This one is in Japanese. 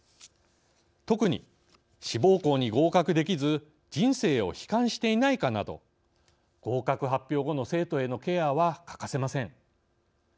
特に志望校に合格できず人生を悲観していないかなど合格発表後の生徒へのケアは欠かせません。